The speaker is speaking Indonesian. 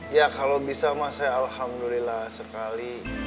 ya kalau bisa mah saya alhamdulillah sekali